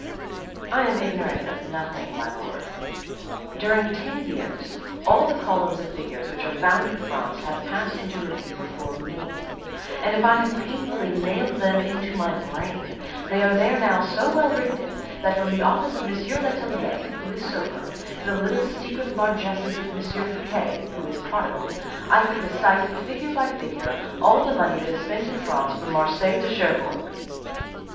"I am ignorant of nothing, my lord; during ten years, all the columns of figures which are found in France, have passed into review before me; and if I have painfully nailed them into my brain, they are there now so well riveted, that, from the office of M. Letellier, who is sober, to the little secret largesses of M. Fouquet, who is prodigal, I could recite, figure by figure, all the money that is spent in France from Marseilles to Cherbourg."